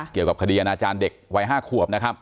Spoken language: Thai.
เกี่ยวกับคดีอนาจารย์เด็กวัย๕ขวบนะครับ